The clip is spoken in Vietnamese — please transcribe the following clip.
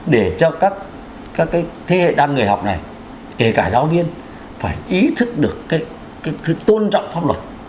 để cho các thế hệ đa người học này kể cả giáo viên phải ý thức được tôn trọng pháp luật